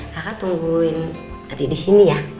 kakak tungguin tadi di sini ya